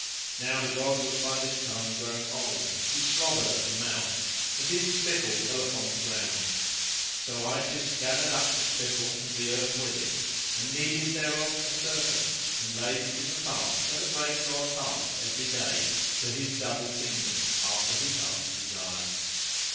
Now the god was by this time grown old; he slobbered at the mouth and his spittle fell upon the ground. So Isis gathered up the spittle and the earth with it, and kneaded thereof a serpent and laid it in the path where the great god passed every day to his double kingdom after his heart's desire.